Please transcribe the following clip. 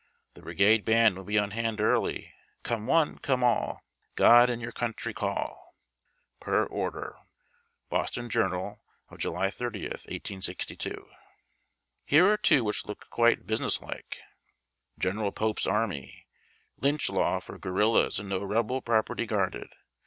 The Brigade Band will be on hand early. Coiue one, come all ! God and your Country Call !! Per Order. [Boston Journal of July 30, 1862.] Here are two which look quite business like :— GENERAL POPE'S ARMY. Lynch Law for Guerillas and No Rebel Property Guarded!